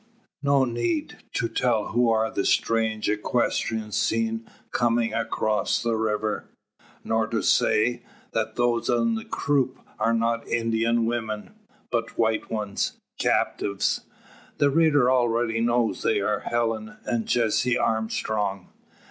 No need to tell who are the strange equestrians seen coming across the river; nor to say, that those on the croup are not Indian women, but white ones captives. The reader already knows they are Helen and Jessie Armstrong.